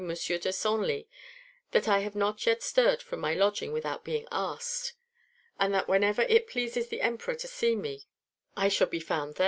de Senlis that I have not yet stirred from my lodging without being asked, and that whenever it pleases the Emperor to see me I shall be found there."